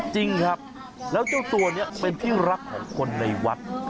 จริงครับแล้วเจ้าตัวนี้เป็นที่รักของคนในวัด